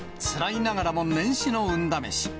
つらいながらも年始の運試し。